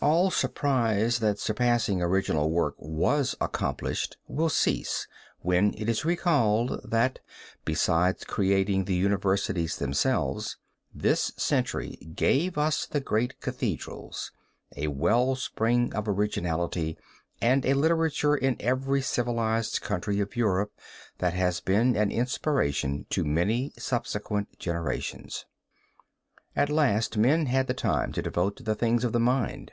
All surprise that surpassing original work was accomplished will cease when it is recalled that, besides creating the universities themselves, this century gave us the great Cathedrals a well spring of originality, and a literature in every civilized country of Europe that has been an inspiration to many subsequent generations. At last men had the time to devote to the things of the mind.